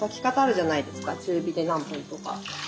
中火で何分とか。